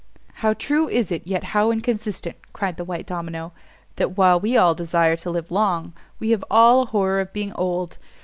"How true is it, yet how inconsistent," cried the white domino, "that while we all desire to live long, we have all a horror of being old!